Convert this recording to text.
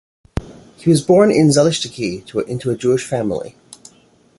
He was born in Zalishchyky into a Jewish family.